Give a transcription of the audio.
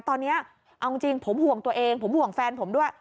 ตอนนี้เอาจริงผมห่วงตัวเองผมห่วงแฟนผมด้วย